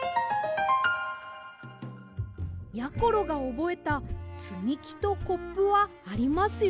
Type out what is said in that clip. やころがおぼえたつみきとコップはありますよ。